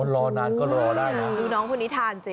รอนานก็รอได้นะดูน้องคนนี้ทานสิ